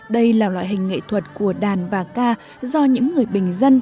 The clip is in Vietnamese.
đây là loại hình nghệ thuật của đàn và ca do những người bình dân